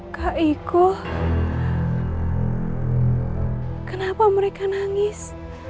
ketika mereka menangis